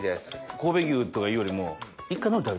神戸牛とか言うよりも。